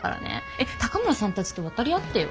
えっ高村さんたちと渡り合ってよ？